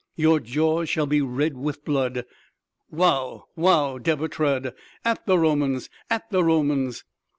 Your jaws shall be red with blood!... Wow! Wow, Deber Trud! At the Romans! At the Romans!"